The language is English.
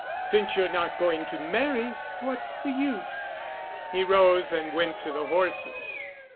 Since you're not going to marry—what's the use?" He rose and went to the horses.